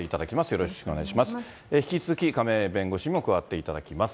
よろしくお願いします。